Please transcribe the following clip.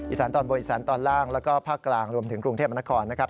สานตอนบนอีสานตอนล่างแล้วก็ภาคกลางรวมถึงกรุงเทพมนครนะครับ